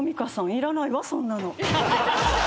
いらないわそんなの。